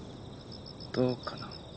どうかなあ。